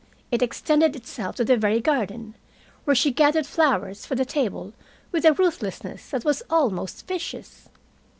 It extended itself to the very garden, where she gathered flowers for the table with a ruthlessness that was almost vicious.